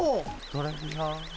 トレビアン。